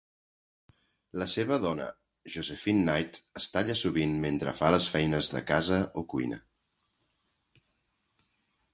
La seva dona, Josephine Knight, es talla sovint mentre fa les feines de casa o cuina.